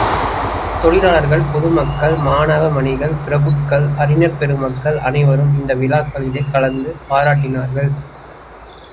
தொழிலாளர்கள், பொதுமக்கள், மாணவமணிகள், பிரபுக்கள், அறிஞர் பெருமக்கள் அனைவரும் இந்த விழாக்களிலே கலந்து பாராட்டினார்கள்.